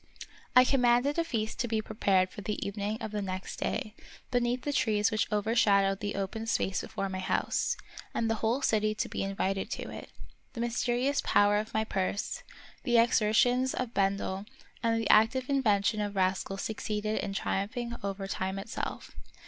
I commanded a feast to be prepared for the evening of the next day, beneath the trees which overshadowed the open space before my house, and the whole city to be invited to it. The mys terious power of my purse, the exertions of Ben del, and the active invention of Rascal succeeded in triumphing over time itself.